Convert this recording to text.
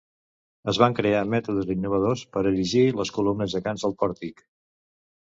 Es van crear mètodes innovadors per erigir les columnes gegants del pòrtic.